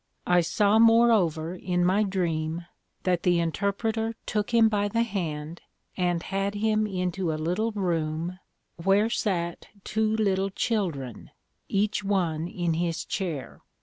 I saw moreover in my Dream, that the Interpreter took him by the hand, and had him into a little room, where sat two little Children, each one in his chair.